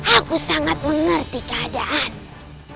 aku sangat mengerti keadaanmu